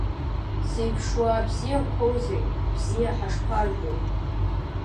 Зеиԥшуаа бзиақәоузеи, бзиа ҳашԥарбои…